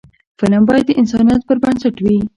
فلم باید د انسانیت پر بنسټ وي